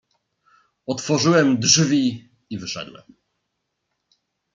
"Otworzyłem drzwi i wszedłem."